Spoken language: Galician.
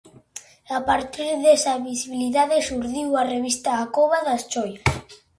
A partir desa visibilidade xurdiu a revista A Cova das Choias.